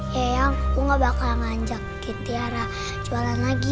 ya eyang aku gak bakal ngajak tiara jualan lagi